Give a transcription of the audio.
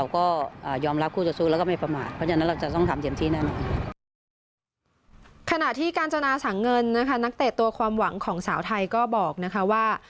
ขณะที่กาญจนาสังเงินนะคะนักเตะตัวความหวังของสาวไทยก็บอกนะคะว่า